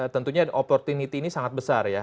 tentunya opportunity ini sangat besar ya